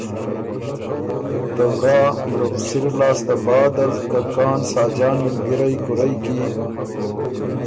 ته ورا مرُغسِر لاسته بعدل که کان ساجان مِلګِرئ کُورئ کی